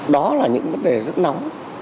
đó là những vấn đề rất nóng